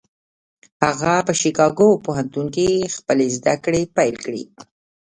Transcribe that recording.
هغه په شيکاګو پوهنتون کې خپلې زدهکړې پيل کړې.